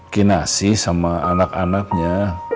kinasih sama anak anaknya